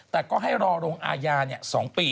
แต่ก็ให้รอโรงอาญาเนี่ย๒ปี